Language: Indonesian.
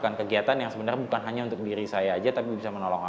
bukan kegiatan yang sebenarnya bukan hanya untuk diri saya aja tapi bisa menolong orang lain